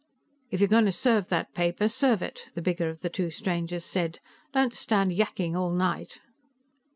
"If you're going to serve that paper, serve it," the bigger of the two strangers said. "Don't stand yakking all night."